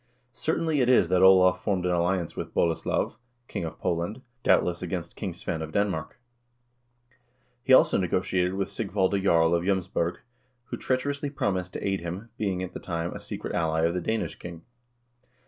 Certain it is that Olav formed an alliance with Boleslav, king of Poland, doubtless against King Svein of Denmark. He also negotiated with Sigvalde Jarl of J 6ms borg, who treacherously promised to aid him, being at the time a secret ally of the Danish king.